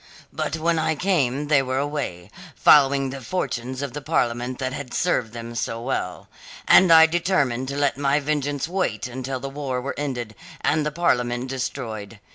But when I came they were away, following the fortunes of the Parliament that had served them so well. And so I determined to let my vengeance wait until the war were ended and the Parliament destroyed.